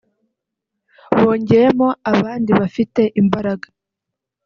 bongeyemo abandi bafite imbaraga